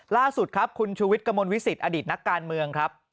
ล่าสุดครับคุณชูวิทย์กระมวลวิสิตอดีตนักการเมืองครับ